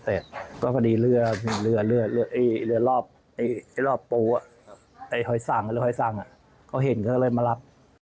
พอดีเรือรอบปูหอยสังเขาเห็นก็เลยมารับ